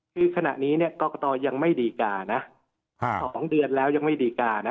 คือขณะนี้กรกตยังไม่ดีการะ๒เดือนแล้วยังไม่ดีการนะ